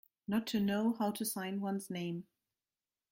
Not to know how to sign one's name.